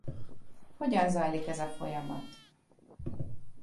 Hogyan zajlik ez a folyamat?